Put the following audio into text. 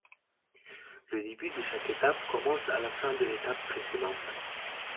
Le début de chaque étape commence à la fin de l'étape précédente.